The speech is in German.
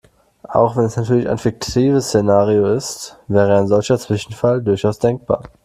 Auch wenn es natürlich ein fiktives Szenario ist, wäre ein solcher Zwischenfall durchaus denkbar.